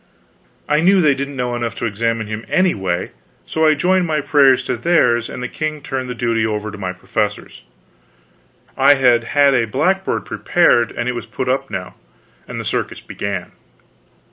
I knew they didn't know enough to examine him anyway, so I joined my prayers to theirs and the king turned the duty over to my professors. I had had a blackboard prepared, and it was put up now, and the circus began.